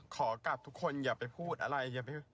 ขอกลับทุกคนอย่าไปพูดอะไร